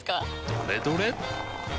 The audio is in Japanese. どれどれっ！